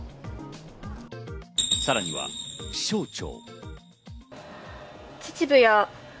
さらには気象庁。